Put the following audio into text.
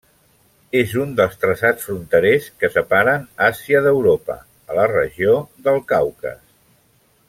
És un dels traçats fronterers que separen Àsia d'Europa, a la regió del Caucas.